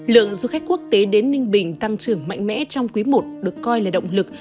lượng du khách quốc tế đến ninh bình tăng trưởng mạnh mẽ trong quý i được coi là động lực